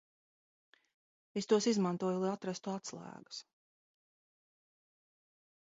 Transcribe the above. Es tos izmantoju, lai atrastu atslēgas.